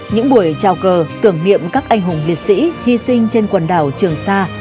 những buổi trao cờ cường niệm các anh hùng liệt sĩ hy sinh trên quần đảo trường sa